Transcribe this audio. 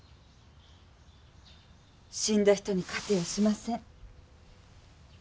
死んだ人に勝てやしません。